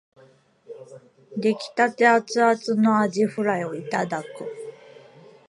出来立てアツアツのあじフライをいただく